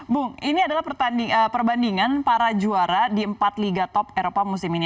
bung ini adalah perbandingan para juara di empat liga top eropa musim ini